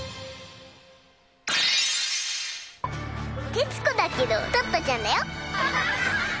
徹子だけどトットちゃんだよ。